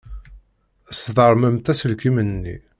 Sdermemt aselkim-nni.